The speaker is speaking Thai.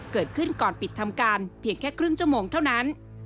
เกิดขึ้นก่อนปิดทำการเพียงแค่ครึ่งชั่วโมงเท่านั้น